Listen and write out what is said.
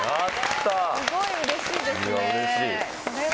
すごいうれしいですね。